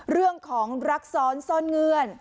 เรื่องของรักซ้อนซ่อนเงื่อน